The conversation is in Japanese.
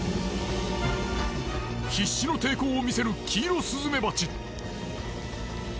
必死の抵抗を見せるキイロスズメバチ。